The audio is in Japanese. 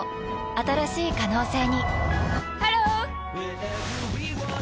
新しい可能性にハロー！